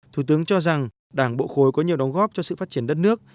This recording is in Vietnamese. thủ tướng cho rằng đảng bộ khối có nhiều đóng góp cho sự phát triển đất nước